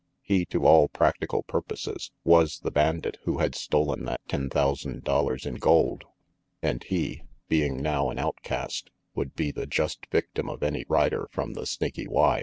He, to all practical purposes, was the bandit who had stolen that ten thousand dollars in gold, and he, being now an outcast, would be the just victim of any rider from the Snaky Y.